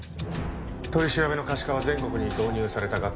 取り調べの可視化は全国に導入されたが課題も多い。